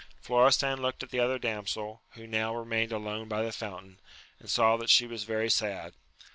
Florestan looked at the other damsel, who now remained alone by the fountain, and saw that she was very sad.